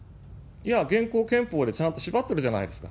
いや、現行憲法でちゃんと縛ってるじゃないですか。